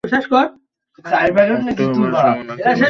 Octopus লবণাক্ত পানিতে বাস করে তো, তাই।